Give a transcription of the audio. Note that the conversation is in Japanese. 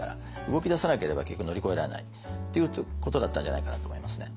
動き出さなければ結局乗り越えられない。っていうことだったんじゃないかなと思いますね。